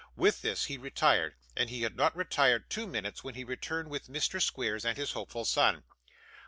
With this, he retired; and he had not retired two minutes, when he returned with Mr. Squeers and his hopeful son.